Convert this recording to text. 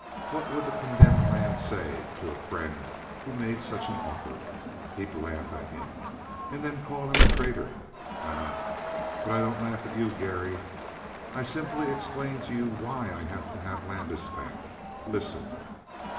What would the condemned man say to a friend who made such an offer? He'd laugh at him and then call him a traitor. Eh? But I don't laugh at you, Garry. I simply explain to you why I have to have Landis back. Listen!"